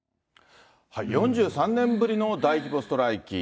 ４３年ぶりの大規模ストライキ。